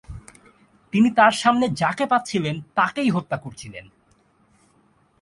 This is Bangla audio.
তিনি তার সামনে যাকে পাচ্ছিলেন তাকেই হত্যা করছিলেন।